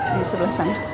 di sebelah sana